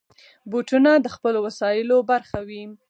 بوټونه د خپلو وسایلو برخه وي.